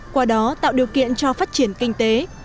qua đó tạo điều kiện cho phát triển kinh tế